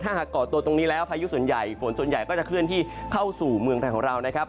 หากก่อตัวตรงนี้แล้วพายุส่วนใหญ่ฝนส่วนใหญ่ก็จะเคลื่อนที่เข้าสู่เมืองไทยของเรานะครับ